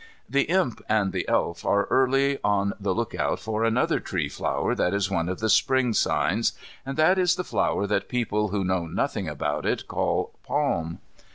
The Imp and the Elf are early on the look out for another tree flower that is one of the Spring signs, and that is the flower that people who know nothing about it call "palm."